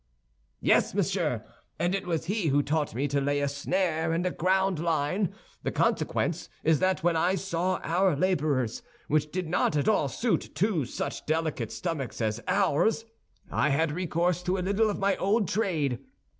"Yes, monsieur, and it was he who taught me to lay a snare and ground a line. The consequence is that when I saw our laborers, which did not at all suit two such delicate stomachs as ours, I had recourse to a little of my old trade.